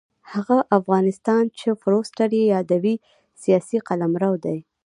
هغه افغانستان چې فورسټر یې یادوي سیاسي قلمرو دی.